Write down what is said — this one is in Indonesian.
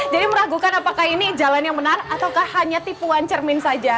jadi meragukan apakah ini jalan yang benar atau hanya tipuan cermin saja